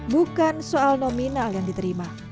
bukan soal nominal yang diterima